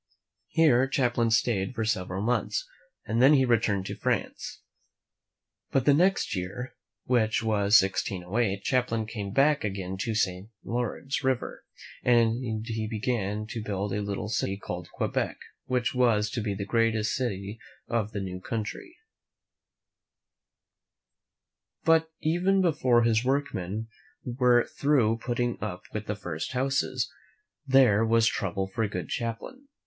Here Champlain stayed for several months, and then he returned to France.' But the next year, which was 1608, Cham plain came back again to the St. Lawrence m THE MEN WHO FOUND AMERICA *^':^i^ v^ i River. He began now to build a little city called Quebec, which was to be the great city of the new country; but even before his workmen were through putting up the first houses, there was trouble for good Champlain.